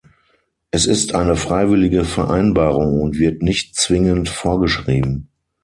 Es ist eine freiwillige Vereinbarung und wird nicht zwingend vorgeschrieben.